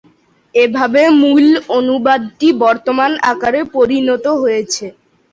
এভাবে মূল-অনুবাদটি বর্তমান আকারে পরিণত হয়েছে।